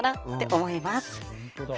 本当だ。